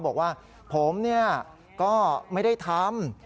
บอกว่าผมก็ไม่ได้ทำ